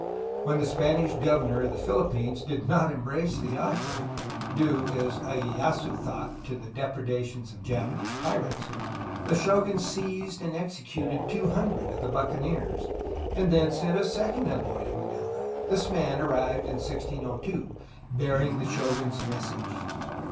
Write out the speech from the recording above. When the Spanish governor of the Philippines did not embrace the offer, due as lyeyasu thought to the depredations of Japanese pirates, the shogun seized and executed two hundred of the buccaneers, and then sent a second envoy to Manila. This man arrived in 1602, bearing the shogun^s message.